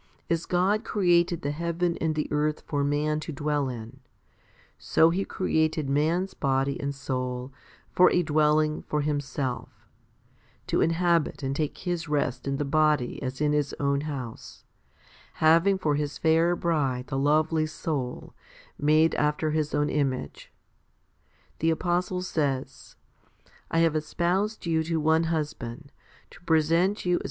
As God created the heaven and the earth for man to dwell in, so He created man's body and soul for a dwelling for Himself, to inhabit and take His rest in the body as in His own house, having for His fair bride the lovely soul, made after His own image. The apostle says, / have espoused you to one husband, to present you as